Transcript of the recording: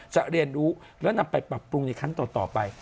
เรียนรู้แล้วนำไปปรับปรุงในครั้งต่อไป